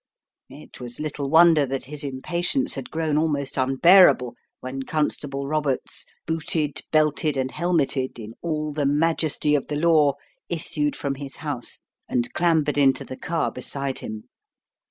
It was little wonder that his impatience had grown almost unbearable when Constable Roberts booted, belted, and helmetted in all the majesty of the law issued from his house and clambered into the car beside him.